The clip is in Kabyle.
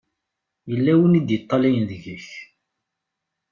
Yella win i d-iṭṭalayen deg-k.